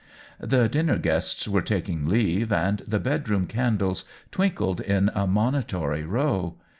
The dinner guests were taking leave and the bedroom candles twinkled in a monitory row.